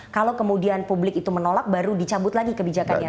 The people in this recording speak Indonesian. kalau kemudian publik itu menolak baru dicabut lagi kebijakannya